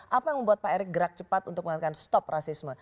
bagaimana cara pak erick gerak cepat untuk mengatakan stop rasisme